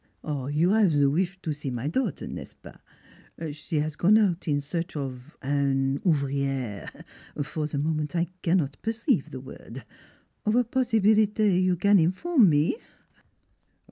" You 'ave ze wish to see my daughter, n'est ce pas? S'e has gone out in search of an ouvri ere for the moment I cannot perceive the word; of a possibility you can inform me?